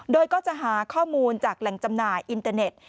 โดยก็จะหาข้อมูลจากแหล่งจำหน่ายอินเตอร์เน็ต